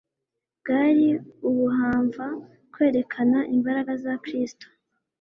bwari ubuhamva bwerekana imbaraga za Kristo.